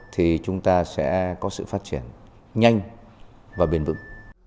thì chúng ta sẽ có sự phát triển nhanh và biên bựng